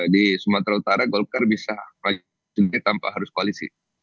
di sumatera utara golkar bisa maju tanpa harus koalisi